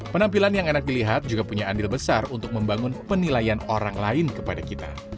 penampilan yang enak dilihat juga punya andil besar untuk membangun penilaian orang lain kepada kita